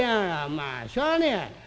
まあしょうがねえや。